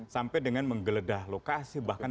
sampai dengan menggeledah lokasi bahkan